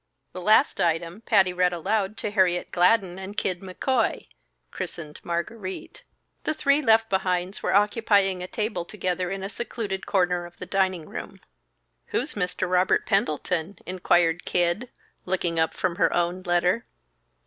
The last item Patty read aloud to Harriet Gladden and Kid McCoy (christened Margarite). The three "left behinds" were occupying a table together in a secluded corner of the dining room. "Who's Mr. Robert Pendleton?" inquired Kid, looking up from her own letter.